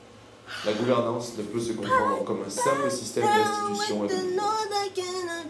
La gouvernance ne peut se comprendre comme un simple système d’institutions et de pouvoir.